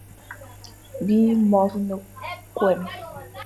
Bî môr ne-kwém.